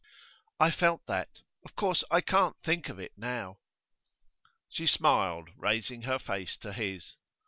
'I felt that. Of course I can't think of it now.' She smiled, raising her face to his.